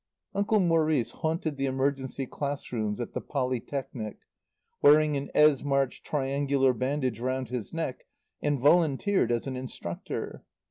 Uncle Maurice haunted the Emergency class rooms at the Polytechnic, wearing an Esmarch triangular bandage round his neck, and volunteered as an instructor.